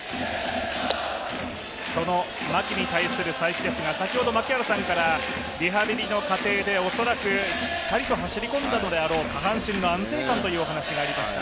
その牧に対する才木ですが先ほど槙原さんからリハビリの過程で恐らくしっかりと走り込んだのであろう、下半身の安定感というお話がありました。